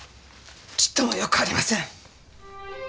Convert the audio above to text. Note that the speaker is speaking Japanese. ちっともよくありません。